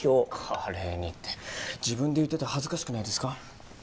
華麗にって自分で言ってて恥ずかしくないですか？